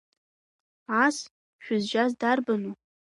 Ас шәызжьаз дарбану?